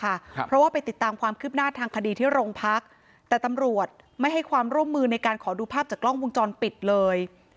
เพราะว่าไปติดตามความคืบหน้าทางคดีที่โรงพักแต่ตำรวจไม่ให้ความร่วมมือในการขอดูภาพจากกล้องวงจรปิดเลย